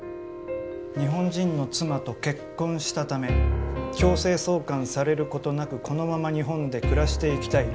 日本人の妻と結婚したため強制送還されることなくこのまま日本で暮らしていきたい。